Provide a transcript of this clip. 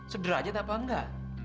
sederhajat apa engga